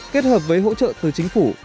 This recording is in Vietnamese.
kết hợp với hỗ trợ từ chính phủ